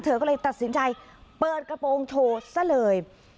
เธอก็เลยตัดสินใจเปิดกระโปรงโชว์ซะเลย